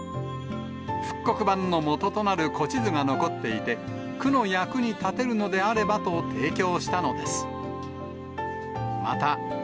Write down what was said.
復刻版のもととなる古地図が残っていて、区の役に立てるのであればと提供したのです。